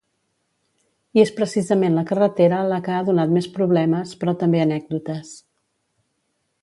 I és precisament la carretera la que ha donat més problemes, però també anècdotes.